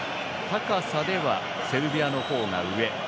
高さではセルビアの方が上。